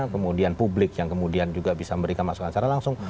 kemudian publik yang kemudian juga bisa memberikan masukan secara langsung